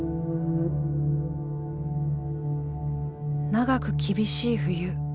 長く厳しい冬。